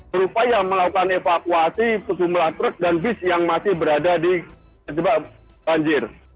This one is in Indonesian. berupa yang melakukan evakuasi kesumlah truk dan bis yang masih berada di terbak banjir